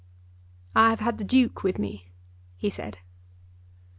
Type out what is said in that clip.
"I have had the Duke with me," he said.